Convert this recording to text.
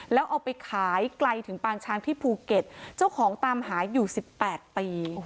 แล้วเอาไปขายไกลถึงปางช้างที่ภูเก็ตเจ้าของตามหาอยู่สิบแปดปี